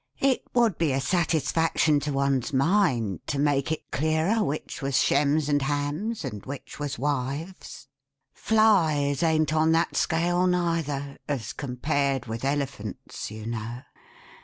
It would be a satisfaction to one's mind, to make it clearer which was Shems and Hams, and which was Wives. Flies an't on that scale neither, as compared with elephants you know!